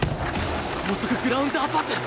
高速グラウンダーパス！